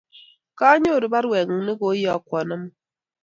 Kanyoru parweng'ung' nekoiyakwon amut